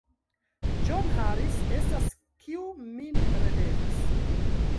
John Harris estas, kiu min relevis.